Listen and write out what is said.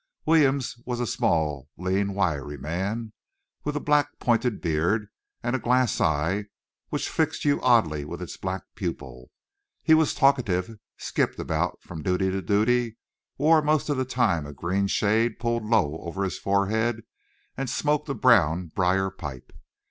Williams was a small, lean, wiry man, with a black pointed beard and a glass eye which fixed you oddly with its black pupil. He was talkative, skipped about from duty to duty, wore most of the time a green shade pulled low over his forehead, and smoked a brown briar pipe.